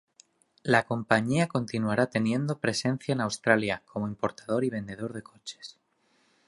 La compañía continuará teniendo presencia en Australia como importador y vendedor de coches.